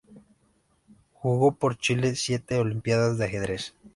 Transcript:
Jugó por Chile siete Olimpíadas de ajedrez.